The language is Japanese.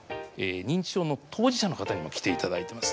認知症の当事者の方にも来ていただいています。